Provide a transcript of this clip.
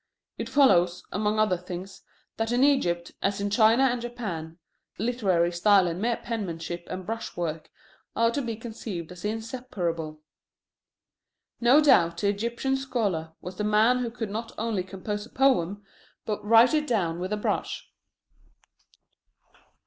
It follows, among other things, that in Egypt, as in China and Japan, literary style and mere penmanship and brushwork are to be conceived as inseparable. No doubt the Egyptian scholar was the man who could not only compose a poem, but write it down with a brush.